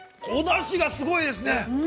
おだしがすごいですね。